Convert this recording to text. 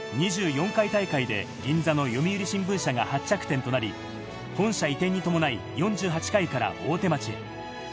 ２４回大会で銀座の読売新聞社が発着点となり、本社移転に伴い４８回から大手町へ。